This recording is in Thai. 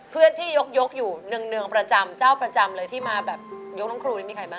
เพื่อนที่ยกอยู่เนืองประจำเจ้าประจำเลยที่มาแบบยกน้องครูนี่มีใครบ้าง